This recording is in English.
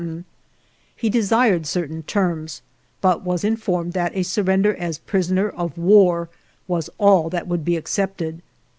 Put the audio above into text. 165 GERONIMO He desired certain terms, but was informed that a surrender as prisoner of war was all that would be accepted.